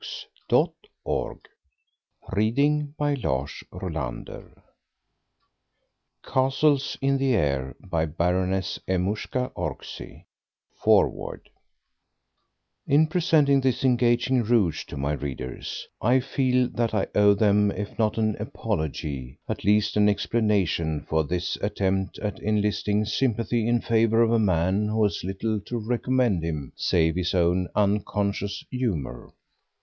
— THE TOYS CHAPTER VI. — HONOUR AMONG—— CHAPTER VII. — AN OVER SENSITIVE HEART FOREWORD In presenting this engaging rogue to my readers, I feel that I owe them, if not an apology, at least an explanation for this attempt at enlisting sympathy in favour of a man who has little to recommend him save his own unconscious humour.